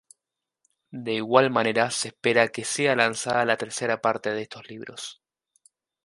De igual manera se espera que sea lanzada la tercera parte de estos libros.